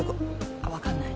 あっ分かんない。